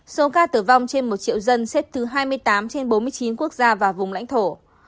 số ca tử vong trên một triệu dân xếp thứ hai mươi tám trên bốn mươi chín quốc gia và vùng lãnh thổ